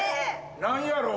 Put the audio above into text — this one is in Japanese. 何やろう？